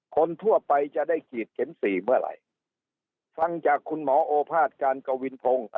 คนทั่วไปจะได้ฉีดเข็มสี่เมื่อไหร่ฟังจากคุณหมอโอภาษการกวินพงศ์